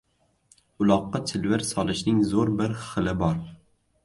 Uloqqa chilvir solishning zo‘r bir xili bor.